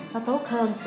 nó tốt hơn